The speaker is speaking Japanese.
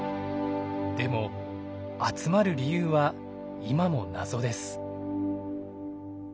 でも集まる理由は今も謎です。